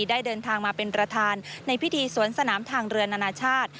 ได้เดินทางมาเป็นประธานในพิธีสวนสนามทางเรือนานาชาติ